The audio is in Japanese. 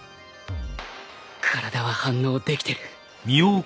体は反応できてる